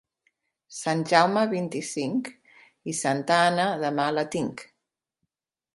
Sant Jaume, vint-i-cinc; i santa Anna, demà la tinc.